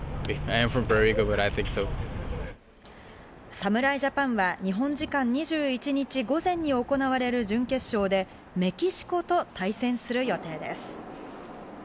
侍ジャパンは日本時間２１日午前に行われる準決勝でメキシコと対戦する予定です。